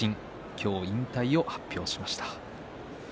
今日引退を発表しました。